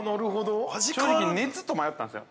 正直、熱と迷ったんですよ。